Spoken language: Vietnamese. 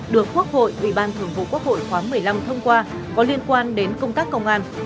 được quốc hội ủy ban thường vụ quốc hội khóa một mươi năm thông qua có liên quan đến công tác công an